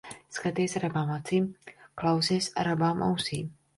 Skaties ar abām acīm, klausies ar abām ausīm.